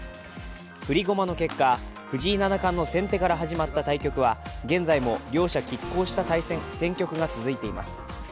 振り駒の結果、藤井七冠の先手から始まった対局は現在も両者きっ抗した戦局が続いています。